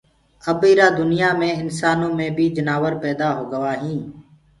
اب ايٚ را دُنيآ مي انسآنو مي بي جنآور پيدآ هوگآ هين